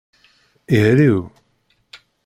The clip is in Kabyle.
Ihriw.